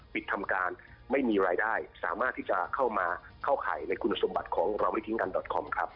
ปิดทำการไม่มีรายได้สามารถที่จะเข้ามาเข้าข่ายในคุณสมบัติของเราไม่ทิ้งกันดอตคอมครับ